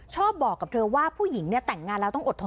ชอบบอกกับเธอว่าผู้หญิงเนี่ยแต่งงานแล้วต้องอดทน